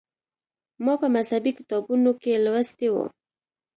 ما په مذهبي کتابونو کې لوستي و.